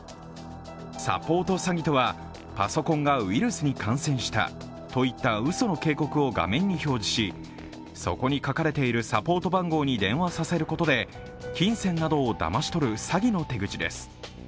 サポート詐欺とはパソコンがウイルスに感染したといったうその警告を画面に表示しそこに書かれているサポート番号に電話させることで金銭などをだまし取る詐欺の手口です。